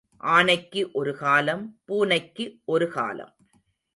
ஆனைக்கு ஒரு காலம் பூனைக்கு ஒரு காலம்.